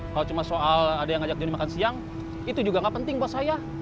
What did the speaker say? kalau cuma soal ada yang ngajak jadi makan siang itu juga gak penting buat saya